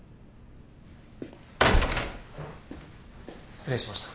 失礼しました。